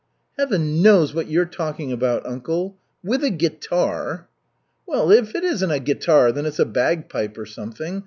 "Heaven knows what you're talking about, uncle. 'With a guitar!'" "Well, if it isn't a guitar, then it's a bagpipe or something.